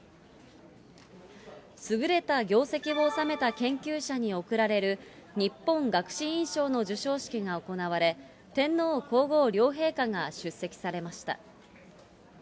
優れた業績を修めた研究者に贈られる、日本学士院賞の受賞者が行われ、天皇皇后両陛下が出席されました。